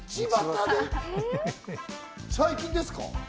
最近ですか？